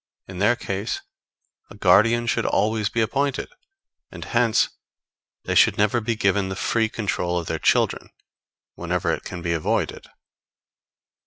In their case a guardian should always be appointed; and hence they should never be given the free control of their own children, wherever it can be avoided.